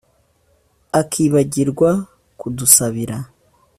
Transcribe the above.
akibagirwa kudusabira